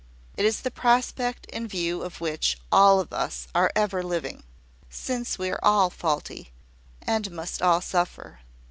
"It is the prospect in view of which all of us are ever living, since we are all faulty, and must all suffer.